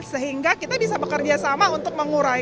sehingga kita bisa bekerja sama untuk mengurai